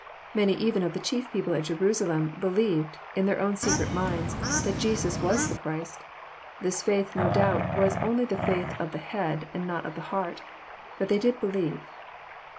Many even of the chief people at Jerusalem be lieved, in their own secret minds, that Jesus was the Christ. This faith no doubt was only the faith of the head, and not of the heart. But they did believe.